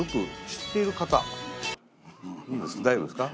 大丈夫ですか？